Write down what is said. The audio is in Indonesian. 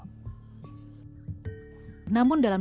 setelah itu di tahun dua ribu delapan belas